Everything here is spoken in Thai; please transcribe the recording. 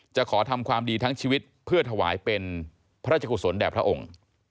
จะขอทำความดีทั้งชีวิตเพื่อทหวายเป็นพระเจ้าขุดสนแดบพระองค์